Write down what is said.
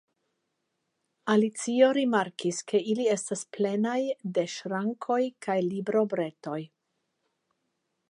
Alicio rimarkis ke ili estas plenaj de ŝrankoj kaj librobretoj.